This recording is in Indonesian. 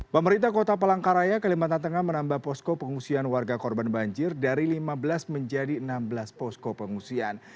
pemerintah kota palangkaraya kalimantan tengah menambah posko pengungsian warga korban banjir dari lima belas menjadi enam belas posko pengungsian